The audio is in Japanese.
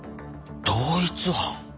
同一犯？